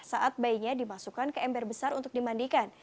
saat bayinya dimasukkan ke ember besar untuk dimandikan